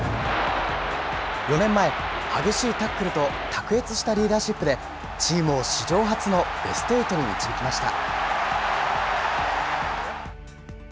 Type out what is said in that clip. ４年前、激しいタックルと卓越したリーダーシップで、チームを史上初のベストエイトに導きました。